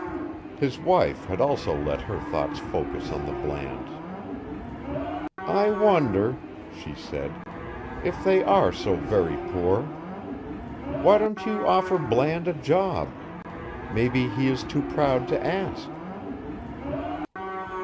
His wife had also let her thoughts focus on the Blands. "I wonder," she said, "if they are so very poor? Why don't you offer Bland a job? Maybe he is too proud to ask."